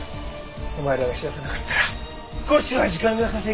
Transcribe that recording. お前らが知らせなかったら少しは時間が稼げるか？